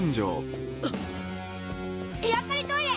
やっぱりトイレ！